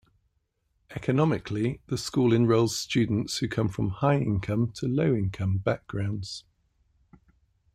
Economically, the school enrolls students who come from high-income to low-income backgrounds.